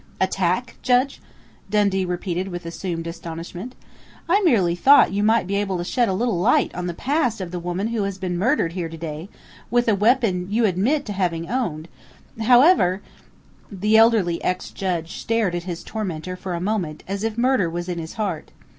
"Attack, Judge?" Dundee repeated with assumed astonishment. "I merely thought you might be able to shed a little light on the past of the woman who has been murdered here today, with a weapon you admit to having owned.... However " The elderly ex judge stared at his tormentor for a moment as if murder was in his heart.